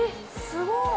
すごーい